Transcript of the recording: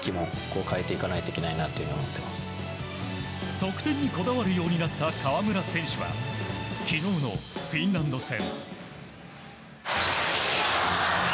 得点にこだわるようになった河村選手は昨日のフィンランド戦。